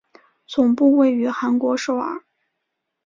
总部位于韩国首尔。